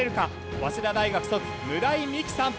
早稲田大学卒村井美樹さん。